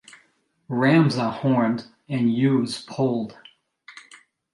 Rams are horned, and ewes polled.